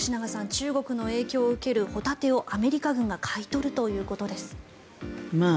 中国の影響を受けるホタテを、アメリカ軍が買い取るということです。